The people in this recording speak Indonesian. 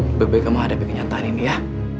lebih baik kamu menghadapi kenyataan ini ya